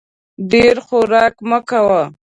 ډېر خوراک مه کوه !